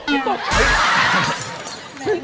พี่ตบตัวเอง